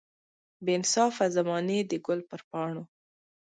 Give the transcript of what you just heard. بې انصافه زمانې د ګل پر پاڼو.